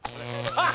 あっ！